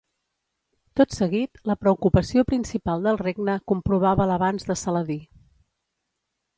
Tot seguit, la preocupació principal del regne comprovava l'avanç de Saladí.